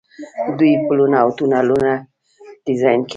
دوی پلونه او تونلونه ډیزاین کوي.